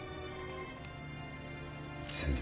先生。